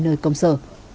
nơi công sở